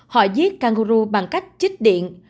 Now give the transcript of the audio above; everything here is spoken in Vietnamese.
họ giết kangaroo bằng cách chích điện